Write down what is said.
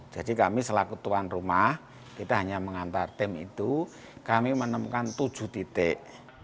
jadi kami selaku tuan rumah kita hanya mengantar tim itu kami menemukan tujuh titik